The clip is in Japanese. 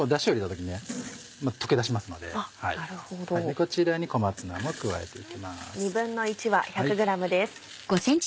こちらに小松菜も加えて行きます。